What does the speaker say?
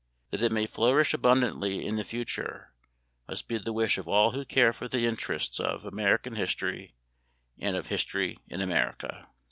That it may flourish abundantly in the future must be the wish of all who care for the interests 'of American history and of history in America.